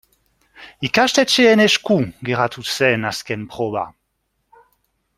Ikastetxeen esku geratu zen azken proba.